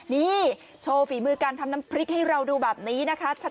นี่โชว์ฝีมือการทำน้ำพริกให้เราดูแบบนี้นะคะ